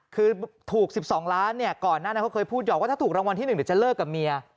คือถูก๑๒ล้านเนี่ยก่อนหน้านั้นเขาเคยพูดหอกว่าถ้าถูกรางวัลที่๑เดี๋ยวจะเลิกกับเมีย